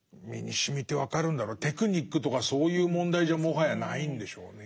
テクニックとかそういう問題じゃもはやないんでしょうね。